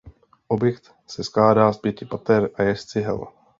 Objekt se skládá z pěti pater a je z cihel.